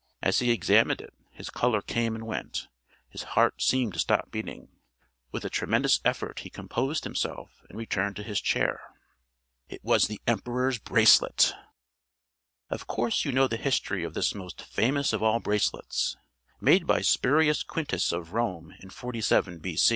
As he examined it his colour came and went, his heart seemed to stop beating. With a tremendous effort he composed himself and returned to his chair. It was the Emperor's Bracelet! Of course you know the history of this most famous of all bracelets. Made by Spurius Quintus of Rome in 47 B.